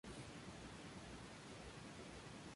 Al inicio de la Semana Santa, se realizan los carnavales.